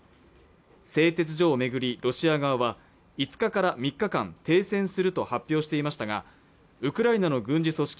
製鉄所を巡りロシア側は５日から３日間停戦すると発表していましたがウクライナの軍事組織